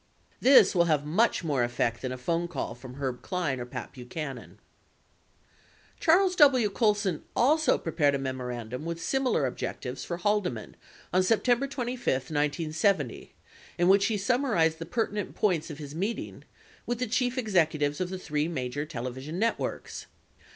This will have much more effect than a phone call from Herb Klein or Pat Buchanan. 51 Charles W. Colson also prepared a memorandum with similar objectives for Haldeman on September 25, 1970, in which he sum marized the pertinent points of his meeting with the chief executives of the three major television networks.